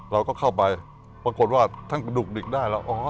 เราก็เข้าไปปรากฏว่าท่านกระดุกดิกได้แล้วอ๋อ